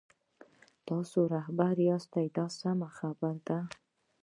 تاسو رهبر یاست دا سمه خبره ده.